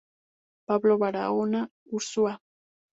Pablo Baraona Urzúa.